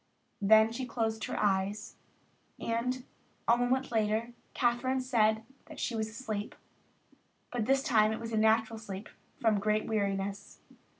Then she closed her eyes, and a moment later Kathryn said that she was asleep, but that this time it was a natural sleep from great weariness.